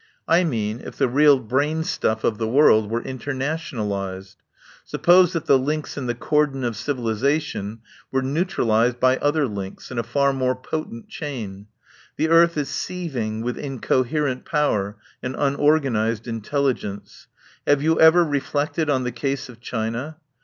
I mean if the real brain stuff of the world were internation alised. Suppose that the links in the cordon of civilisation were neutralised by other links in a far more potent chain. The earth is seething with incoherent power and unorgan ised intelligence. Have you ever reflected on the case of China?